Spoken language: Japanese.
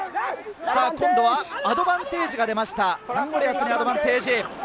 アドバンテージが出ました、サンゴリアスにアドバンテージ。